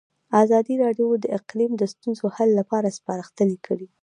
ازادي راډیو د اقلیم د ستونزو حل لارې سپارښتنې کړي.